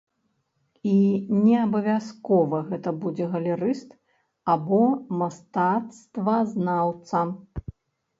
І неабавязкова гэта будзе галерыст або мастацтвазнаўца.